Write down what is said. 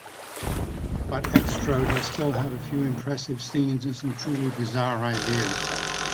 But Xtro does still have a few impressive scenes and some truly bizarre ideas.